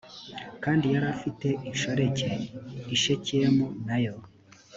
kandi yari afite inshoreke i shekemu na yo